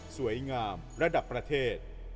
สวยงามระดับประเทศ